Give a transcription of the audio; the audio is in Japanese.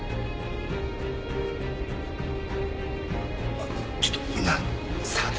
あっちょっとみんな下がって。